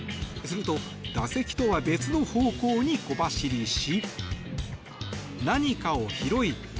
すると、打席とは別の方向に小走りし何かを拾い